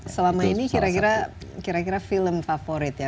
selama ini kira kira film favorit ya